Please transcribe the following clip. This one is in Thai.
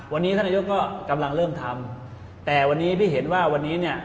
วันนี้ท่านนายกก็กำลังเริ่มทำแต่วันนี้ที่เห็นว่าวันนี้เนี่ย